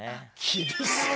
厳しい。